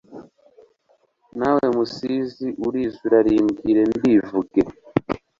Nawe Musizi urizi urarimbwire ndivuge.